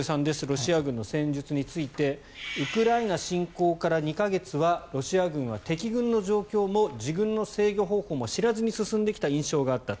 ロシア軍の戦術についてウクライナ侵攻から２か月はロシア軍は敵軍の状況も自軍の制御方法も知らずに進んできた印象があった。